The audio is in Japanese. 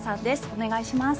お願いします。